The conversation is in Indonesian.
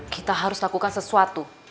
kita harus lakukan sesuatu